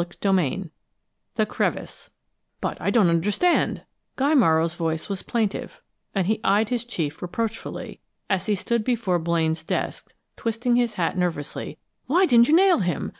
CHAPTER XX THE CREVICE "But I don't understand" Guy Morrow's voice was plaintive, and he eyed his chief reproachfully, as he stood before Blaine's desk, twisting his hat nervously "why you didn't nail him!